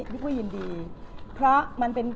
พี่ปุ๊ยยินดีเพราะมันเป็น